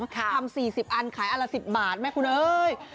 ทำ๔๐อันขายอันละ๑๐บาทไหมคุณเอ้ย